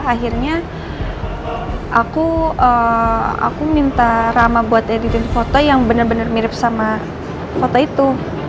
akhirnya aku minta rama buat editin foto yang bener bener mirip sama foto itu